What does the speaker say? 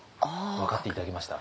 分かって頂けました？